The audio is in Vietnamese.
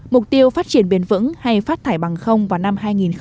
mục tiêu phát triển biên vững hay phát thải bằng không vào năm hai nghìn năm mươi